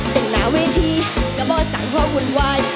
ตึกหนาเวทีกระบอกสังหาวุ่นวาย